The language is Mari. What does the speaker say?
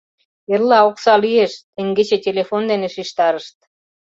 «Эрла окса лиеш», — теҥгече телефон дене шижтарышт.